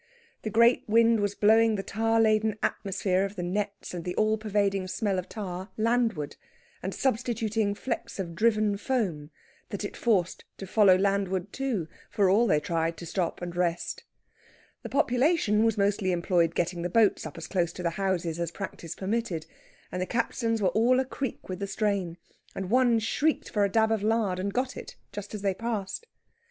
The great wind was blowing the tar laden atmosphere of the nets and the all pervading smell of tar landward; and substituting flecks of driven foam, that it forced to follow landward too, for all they tried to stop and rest. The population was mostly employed getting the boats up as close to the houses as practice permitted, and the capstans were all a creak with the strain; and one shrieked for a dab of lard, and got it, just as they passed.